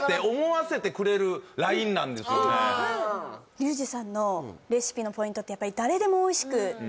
リュウジさんのレシピのポイントってやっぱりそうよ